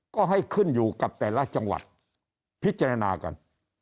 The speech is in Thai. ก็ให้ขึ้นอยู่กับแต่ละจังหวัดพิจารณากัน